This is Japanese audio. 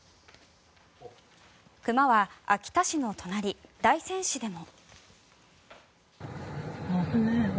熊は秋田市の隣、大仙市でも。